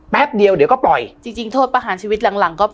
แป๊บเดียวเดี๋ยวก็ปล่อยจริงจริงโทษประหารชีวิตหลังหลังก็